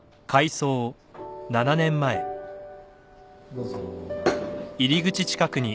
どうぞ。